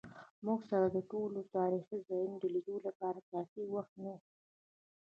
موږ سره د ټولو تاریخي ځایونو د لیدو لپاره کافي وخت نه و.